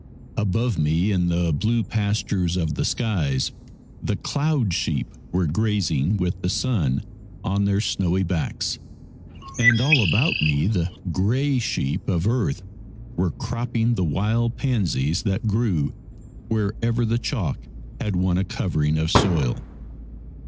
Above me in the blue pastures of the skies the cloud sheep were grazing, with the sun on their snowy backs, and all about me the grey sheep of earth were cropping the wild pansies that grew wherever the chalk had won a covering of soil.